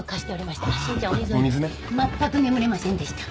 まったく眠れませんでした。